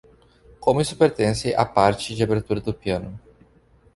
Como isso pertence à parte de abertura do piano?